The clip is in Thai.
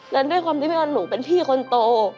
และด้วยความที่ว่าหนูเป็นพี่คนโต